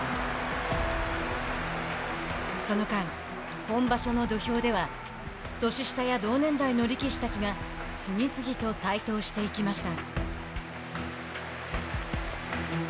その間、本場所の土俵では年下や同年代の力士たちが次々と台頭していきました。